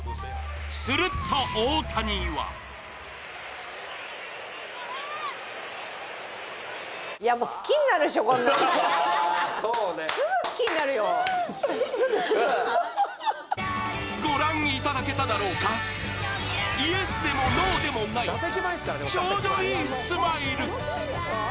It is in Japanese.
すると大谷はご覧いただけただろうか、イエスでもノーでもないちょうどいいスマイル！